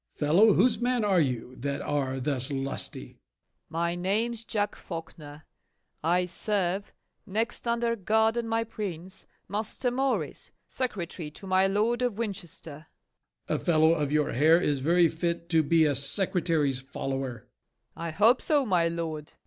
MORE. Fellow, whose man are you, that are thus lusty? FAULKNER. My name's Jack Faulkner; I serve, next under God and my prince, Master Morris, secretary to my Lord of Winchester. MORE. A fellow of your hair is very fit To be a secretary's follower! FAULKNER. I hope so, my lord.